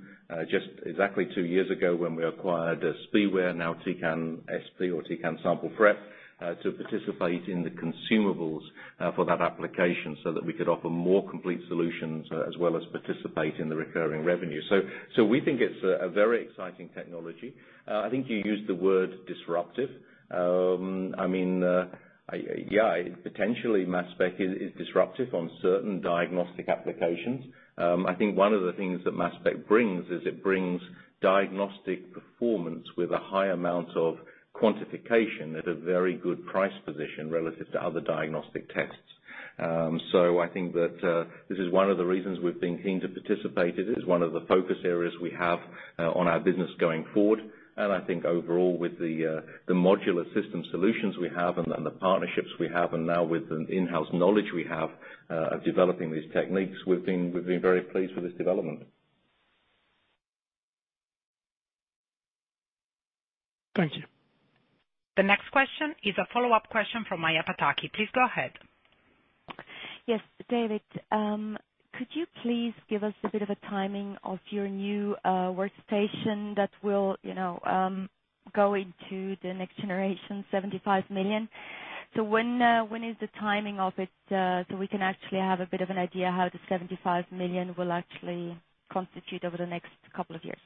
just exactly two years ago when we acquired SPEware, now Tecan SP or Tecan Sample Prep, to participate in the consumables for that application, so that we could offer more complete solutions, as well as participate in the recurring revenue. We think it's a very exciting technology. I think you used the word disruptive. Potentially mass spec is disruptive on certain diagnostic applications. I think one of the things that mass spec brings is it brings diagnostic performance with a high amount of quantification at a very good price position relative to other diagnostic tests. I think that this is one of the reasons we've been keen to participate. It is one of the focus areas we have on our business going forward. I think overall, with the modular system solutions we have and the partnerships we have, and now with the in-house knowledge we have of developing these techniques, we've been very pleased with this development. Thank you. The next question is a follow-up question from Maja Pataki. Please go ahead. Yes. David, could you please give us a bit of a timing of your new workstation that will go into the next generation, 75 million? When is the timing of it, so we can actually have a bit of an idea how the 75 million will actually constitute over the next couple of years?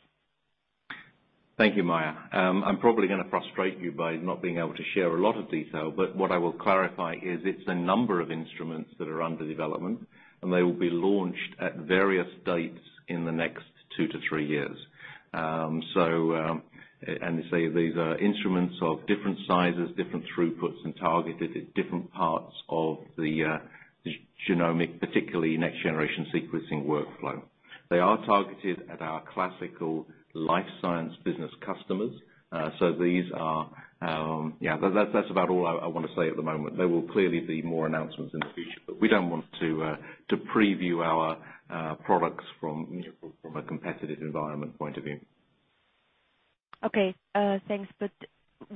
Thank you, Maja. I'm probably going to frustrate you by not being able to share a lot of detail, but what I will clarify is it's a number of instruments that are under development, and they will be launched at various dates in the next two to three years. These are instruments of different sizes, different throughputs, and targeted at different parts of the genomic, particularly next-generation sequencing workflow. They are targeted at our classical life science business customers. That's about all I want to say at the moment. There will clearly be more announcements in the future, but we don't want to preview our products from a competitive environment point of view. Okay, thanks.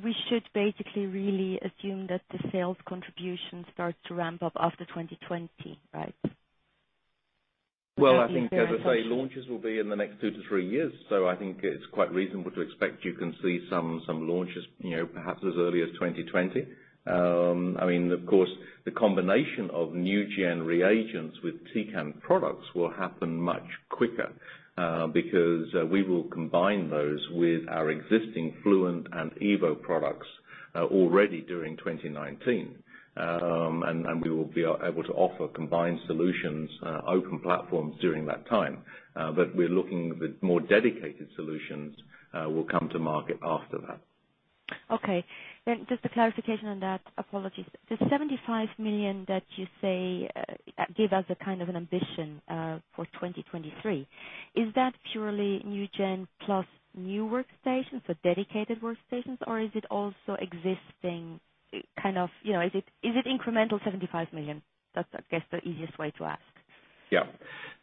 We should basically really assume that the sales contribution starts to ramp up after 2020, right? Well, I think, as I say, launches will be in the next two to three years, so I think it's quite reasonable to expect you can see some launches perhaps as early as 2020. Of course, the combination of NuGEN reagents with Tecan products will happen much quicker, because we will combine those with our existing Fluent and EVO products already during 2019. We will be able to offer combined solutions, open platforms during that time. We're looking that more dedicated solutions will come to market after that. Okay. Just a clarification on that. Apologies. The 75 million that you say give us a kind of an ambition for 2023. Is that purely NuGEN plus new workstations, so dedicated workstations, or is it also existing kind of, is it incremental 75 million? That's, I guess, the easiest way to ask. Yeah.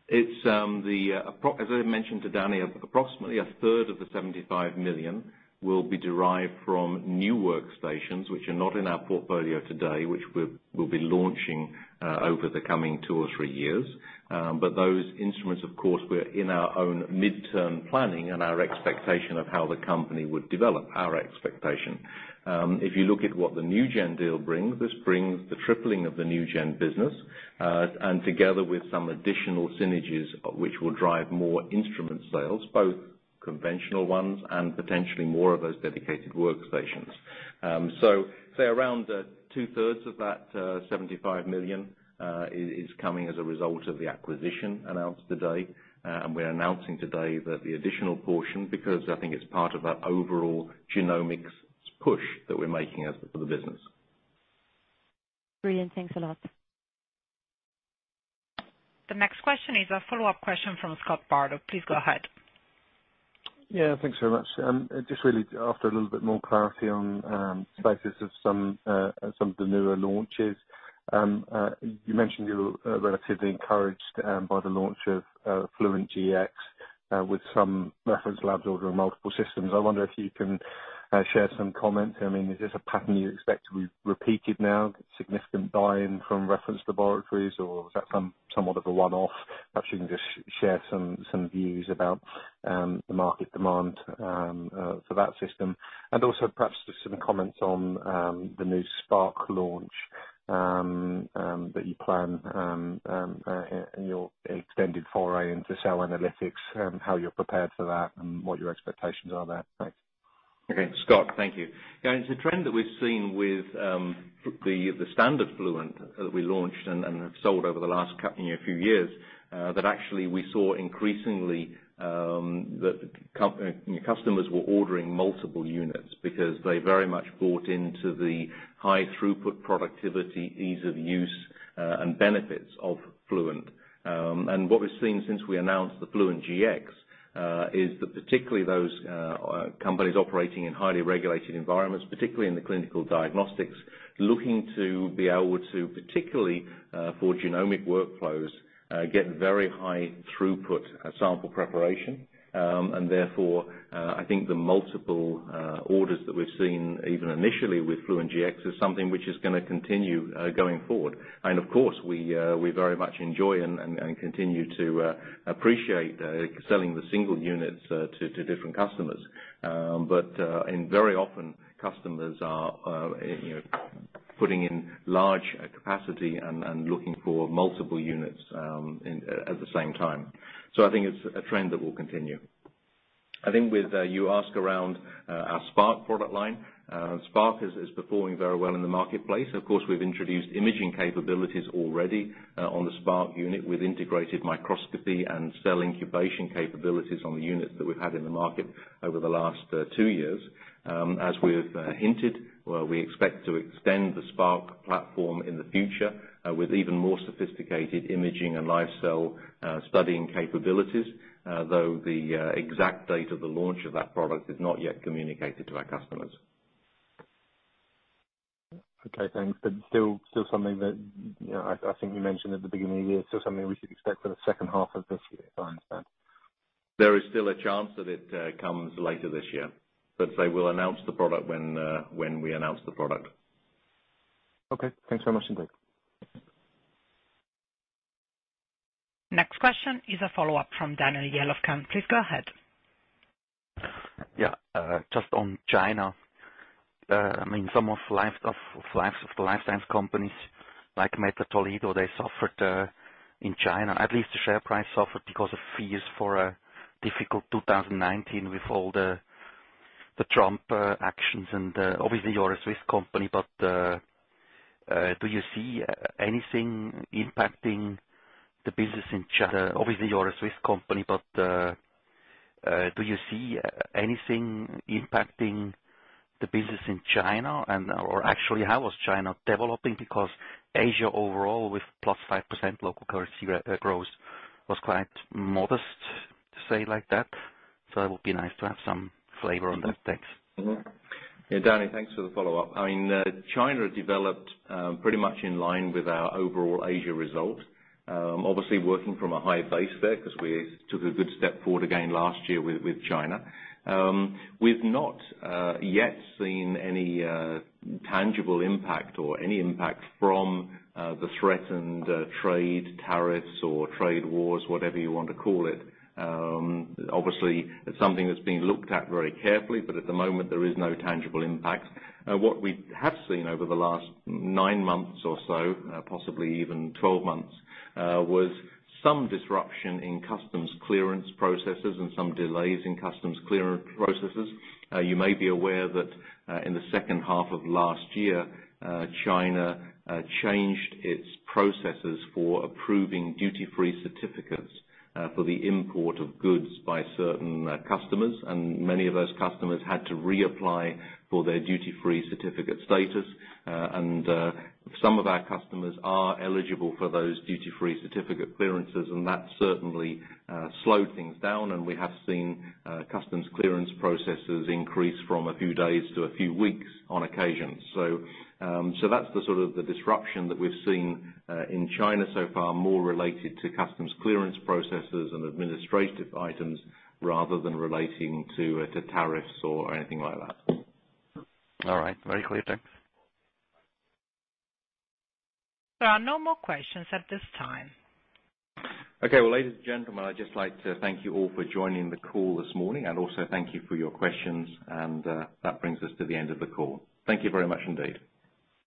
As I mentioned to Danny, approximately a third of the 75 million will be derived from new workstations, which are not in our portfolio today, which we'll be launching over the coming two or three years. Those instruments, of course, were in our own midterm planning and our expectation of how the company would develop. Our expectation. If you look at what the NuGEN deal brings, this brings the tripling of the NuGEN business, and together with some additional synergies which will drive more instrument sales, both conventional ones and potentially more of those dedicated workstations. Say around two-thirds of that, 75 million is coming as a result of the acquisition announced today. We're announcing today that the additional portion, because I think it's part of our overall genomics push that we're making as for the business. Brilliant. Thanks a lot. The next question is a follow-up question from Scott Bardo. Please go ahead. Yeah, thanks very much. Just really after a little bit more clarity on the status of some of the newer launches. You mentioned you were relatively encouraged by the launch of Fluent Gx, with some reference labs ordering multiple systems. I wonder if you can share some comments. Is this a pattern you expect to be repeated now, significant buy-in from reference laboratories, or was that somewhat of a one-off? Perhaps you can just share some views about the market demand for that system. Also perhaps just some comments on the new Spark launch that you plan in your extended foray into cell analytics, how you're prepared for that and what your expectations are there. Thanks. Okay, Scott. Thank you. Yeah, it's a trend that we've seen with the standard Fluent that we launched and have sold over the last few years, that actually we saw increasingly that customers were ordering multiple units because they very much bought into the high throughput productivity, ease of use, and benefits of Fluent. What we've seen since we announced the Fluent Gx, is that particularly those companies operating in highly regulated environments, particularly in the clinical diagnostics, looking to be able to, particularly, for genomic workflows, get very high throughput sample preparation. Therefore, I think the multiple orders that we've seen even initially with Fluent Gx is something which is going to continue going forward. Of course, we very much enjoy and continue to appreciate selling the single units to different customers. Very often customers are putting in large capacity and looking for multiple units at the same time. I think it's a trend that will continue. You ask around our Spark product line. Spark is performing very well in the marketplace. Of course, we've introduced imaging capabilities already on the Spark unit with integrated microscopy and cell incubation capabilities on the unit that we've had in the market over the last two years. As we've hinted, we expect to extend the Spark platform in the future with even more sophisticated imaging and live cell studying capabilities, though the exact date of the launch of that product is not yet communicated to our customers. Okay, thanks. Still something that, I think you mentioned at the beginning of the year, still something we should expect for the second half of this year, if I understand. There is still a chance that it comes later this year, I will announce the product when we announce the product. Okay. Thanks very much indeed. Next question is a follow-up from Daniel Jelovcan. Please go ahead. Yeah. Just on China. Some of the life science companies like Mettler-Toledo, they suffered in China. At least the share price suffered because of fears for a difficult 2019 with all the Trump actions. Obviously you're a Swiss company, but do you see anything impacting the business in China? Actually, how is China developing? Asia overall with +5% local currency growth was quite modest, to say like that. It would be nice to have some flavor on those things. Yeah. Daniel, thanks for the follow-up. China developed pretty much in line with our overall Asia result. Obviously working from a high base there because we took a good step forward again last year with China. We've not yet seen any tangible impact or any impact from the threatened trade tariffs or trade wars, whatever you want to call it. Obviously, it's something that's being looked at very carefully, but at the moment, there is no tangible impact. What we have seen over the last nine months or so, possibly even 12 months, was some disruption in customs clearance processes and some delays in customs clearance processes. You may be aware that in the second half of last year, China changed its processes for approving duty-free certificates for the import of goods by certain customers, and many of those customers had to reapply for their duty-free certificate status. Some of our customers are eligible for those duty-free certificate clearances, and that certainly slowed things down, and we have seen customs clearance processes increase from a few days to a few weeks on occasion. That's the sort of the disruption that we've seen in China so far, more related to customs clearance processes and administrative items rather than relating to tariffs or anything like that. All right. Very clear. Thanks. There are no more questions at this time. Okay. Well, ladies and gentlemen, I'd just like to thank you all for joining the call this morning, and also thank you for your questions, and that brings us to the end of the call. Thank you very much indeed.